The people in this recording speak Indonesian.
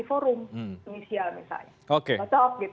di forum tunisia misalnya